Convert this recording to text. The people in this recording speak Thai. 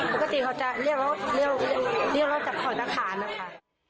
ปกติเขาจะเรียกเราเรียกเราจากข่อนอาคารนะค่ะ